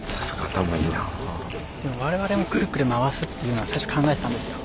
我々もくるくる回すっていうのは最初考えてたんですよ。